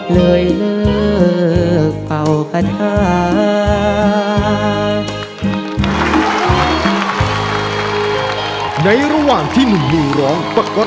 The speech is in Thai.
เลยเลือกเป่ากระทะ